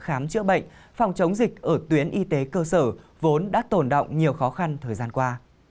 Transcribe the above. khám chữa bệnh phòng chống dịch ở tuyến y tế cơ sở vốn đã tồn động nhiều khó khăn thời gian qua